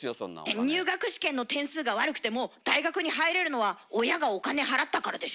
えっ入学試験の点数が悪くても大学に入れるのは親がお金払ったからでしょ？